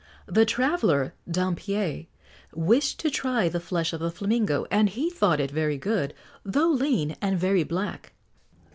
The traveller, Dampier, wished to try the flesh of the flamingo, and he thought it very good, though lean, and very black.